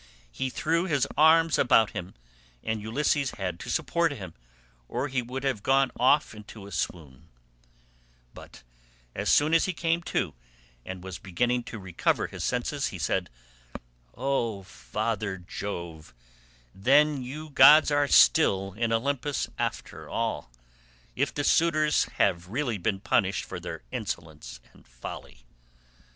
He threw his arms about him, and Ulysses had to support him, or he would have gone off into a swoon; but as soon as he came to, and was beginning to recover his senses, he said, "O father Jove, then you gods are still in Olympus after all, if the suitors have really been punished for their insolence and folly.